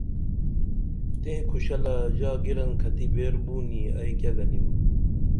تئیں کُھشلہ ژا گِرنکھتی بیر بُونی ائی کیہ گنِم